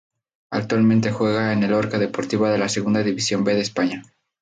Actualmente juega en el Lorca Deportiva de la Segunda División B de España.